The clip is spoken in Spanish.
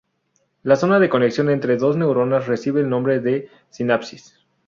La zona de conexión entre dos neuronas recibe el nombre de sinapsis.